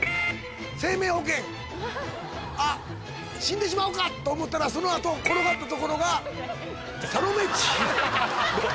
生命保険あっ死んでしまうかと思ったらその後転がったところが「サロメチール」。